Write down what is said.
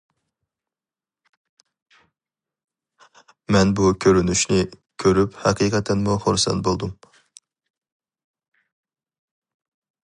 مەن بۇ كۆرۈنۈشنى كۆرۈپ ھەقىقەتەنمۇ خۇرسەن بولدۇم.